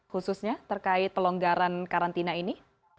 khususnya terkait pelonggaran karantina ini